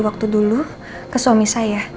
waktu dulu ke suami saya